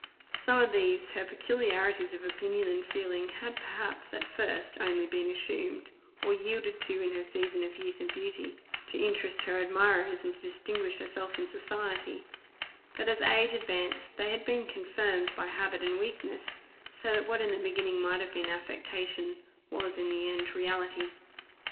Some of these her peculiarities of opinion and feeling had perhaps, at first, only been assumed, or yielded to in her season of youth and beauty, to interest her admirers and to distinguish herself in society; but as age advanced, they had been confirmed by habit and weakness, so that what in the beginning might have been affectation, was in the end reality.